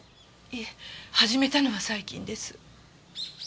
いえ始めたのは最近です。